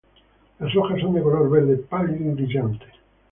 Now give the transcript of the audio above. Las hojas son de color verde pálido y brillante.